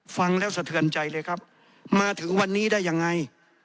ฟังแล้วสะเทือนใจเลยครับมาถึงวันนี้ได้ยังไง